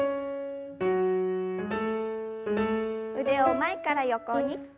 腕を前から横に。